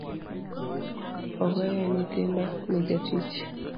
Oweyo nyithindo ne jatich.